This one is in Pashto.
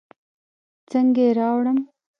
څنګه يې راوړم.